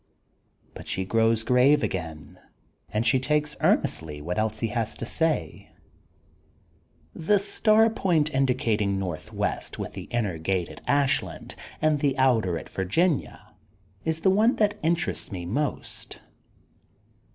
But she grows grave again and she takes earn estly what else he has to say: ^*The star point indicating northwest with the inner gate at Ashland and the outer at Virginia is the one that interests me most.